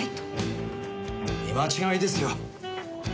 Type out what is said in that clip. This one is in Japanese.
見間違いですよ。